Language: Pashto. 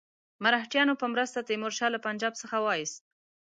مرهټیانو په مرسته تیمور شاه له پنجاب څخه وایست.